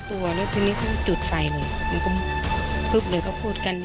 ตัวแล้วทีนี้ทุกห์ดไฟเลยเพื่อนก็๊บเลยเขาพูดกัน